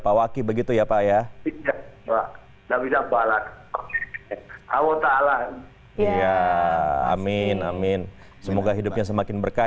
pak waki begitu ya pak ya tidak bisa balas allah ta'ala ya amin amin semoga hidupnya semakin berkah